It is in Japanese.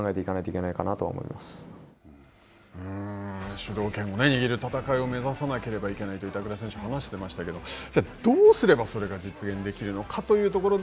主導権を握る戦いを目指さなければいけないと板倉選手、話してましたけど、ではどうすればそれが実現できるのかということで、